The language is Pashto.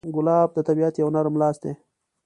ګلاب د طبیعت یو نرم لاس دی.